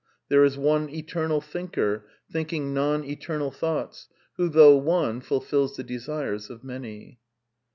^' There is one eternal Thinker, thinking non eternal thoughts, who, though one, fulfils the desires of many.